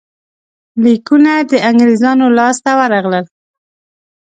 لیکونه د انګرېزانو لاسته ورغلل.